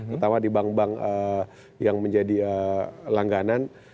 terutama di bank bank yang menjadi langganan